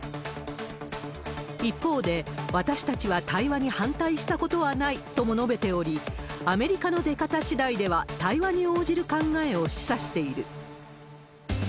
一方で、私たちは対話に反対したことはないとも述べており、アメリカの出方しだいでは対話に応じる考えを示唆している。